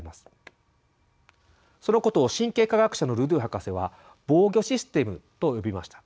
そのことを神経科学者のルドゥー博士は「防御システム」と呼びました。